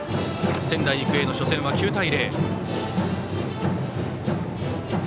仙台育英の初戦は９対０。